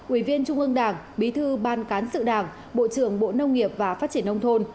ủy viên trung ương đảng bí thư ban cán sự đảng bộ trưởng bộ nông nghiệp và phát triển nông thôn